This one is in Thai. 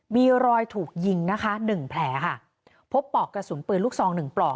มีรอยถูกยิงนะคะหนึ่งแผลค่ะพบปลอกกระสุนปืนลูกซองหนึ่งปลอก